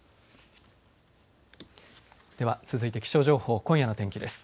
では続いて気象情報、今夜の天気です。